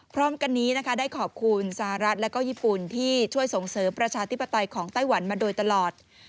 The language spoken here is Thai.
พร้อมกันนี้นะคะได้ขอบคุณสหรัฐและก็ญี่ปุ่นที่ช่วยส่งเสริมประชาธิปไตยของไต้หวันมาโดยตลอด